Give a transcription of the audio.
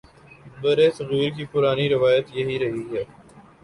برصغیر کی پرانی روایت یہی رہی ہے۔